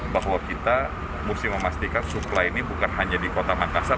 bahwa kita mesti memastikan supply ini bukan hanya di kota makassar